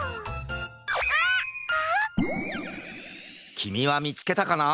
きみはみつけたかな！？